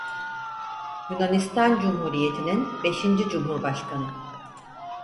Yunanistan Cumhuriyeti'nin beşinci Cumhurbaşkanı.